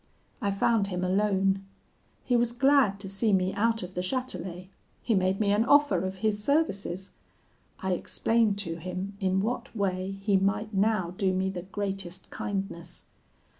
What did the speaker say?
I found him alone. He was glad to see me out of the Chatelet. He made me an offer of his services. I explained to him in what way he might now do me the greatest kindness.